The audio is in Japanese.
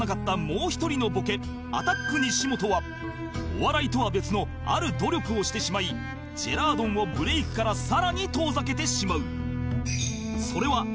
もう一人のボケアタック西本はお笑いとは別のある努力をしてしまいジェラードンをブレイクからさらに遠ざけてしまう